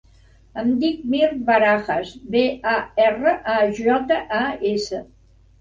Em dic Mirt Barajas: be, a, erra, a, jota, a, essa.